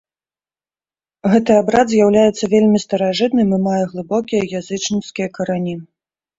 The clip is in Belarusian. Гэты абрад з'яўляецца вельмі старажытным і мае глыбокія язычніцкія карані.